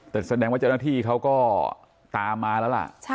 แต่แสดงว่าเจ้าหน้าที่เขาก็ตามมาแล้วล่ะ